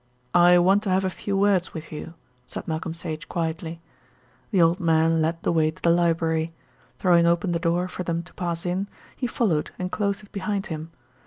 "I want to have a few words with you," said Malcolm Sage quietly. The old man led the way to the library. Throwing open the door for them to pass in, he followed and closed it behind him.